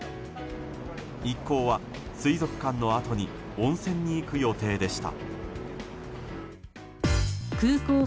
一行は水族館のあとに温泉に行く予定でした。